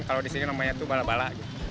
kalau di sini namanya itu bala bala